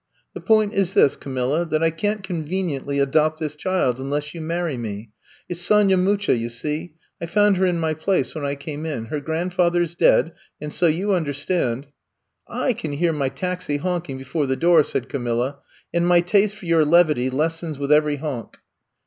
The point is this, Camilla, that I cant conveniently adopt this child unless you marry me. It 's Sonya Mucha, you see. I found her in my place when I came in. Her grandfather 's dead — and so you un derstand " I can hear my taxi honking before the door," said Camilla, and my taste for your levity lessens with every honk."